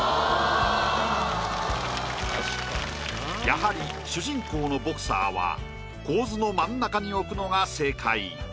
やはり主人公のボクサーは構図の真ん中に置くのが正解。